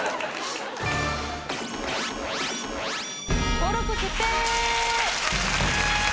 登録決定！